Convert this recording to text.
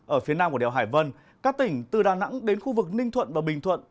ở phía nam của đèo hải vân các tỉnh từ đà nẵng đến khu vực ninh thuận và bình thuận